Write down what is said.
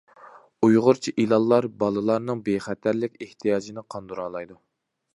ئۇيغۇرچە ئېلانلار بالىلارنىڭ بىخەتەرلىك ئېھتىياجىنى قاندۇرالايدۇ.